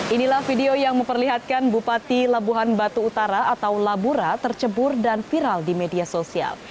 inilah video yang memperlihatkan bupati labuhan batu utara atau labura tercebur dan viral di media sosial